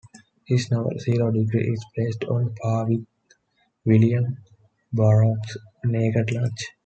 His novel, "Zero Degree" is placed on par with William Burroughs' "Naked Lunch".